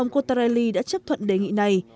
ông cottarelli đã chấp thuận đề nghị này